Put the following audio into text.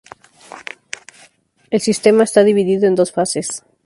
El sistema está dividido en dos fases.